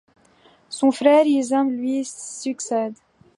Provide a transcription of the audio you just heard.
Son frère Hišām lui succède.